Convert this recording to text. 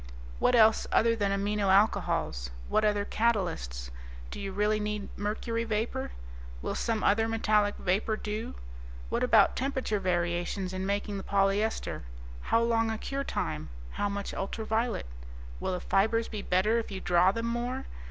"What else other than amino alcohols? What other catalysts? Do you really need mercury vapor? Will some other metallic vapor do? What about temperature variations in making the polyester? How long a cure time? How much ultraviolet? Will the fibers be better if you draw them more?